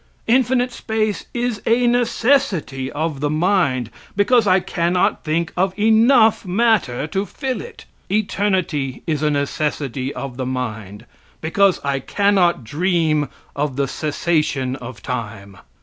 Infinite space is a necessity of the mind, because I cannot think of enough matter to fill it. Eternity is a necessity of the mind, because I cannot dream of the cessation of time.